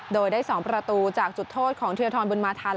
โดยได้๒ประตูจากจุดโทษของเทียร์ทรบุญมาธรรม